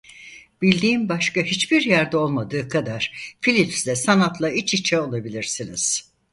Bildiğim başka hiçbir yerde olmadığı kadar Phillips'te sanatla iç içe olabilirsiniz.